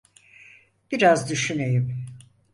Biraz düşüneyim.